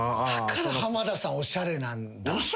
だから浜田さんおしゃれなんだ。